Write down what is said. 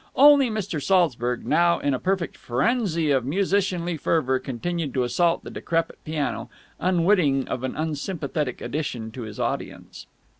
Only Mr. Saltzburg, now in a perfect frenzy of musicianly fervour, continued to assault the decrepit piano, unwitting of an unsympathetic addition to his audience.